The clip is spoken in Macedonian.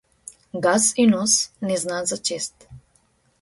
Газ и нос не знаат за чест.